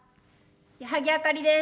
矢作あかりです。